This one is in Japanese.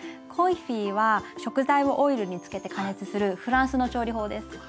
コンフィは食材をオイルに漬けて加熱するフランスの調理法です。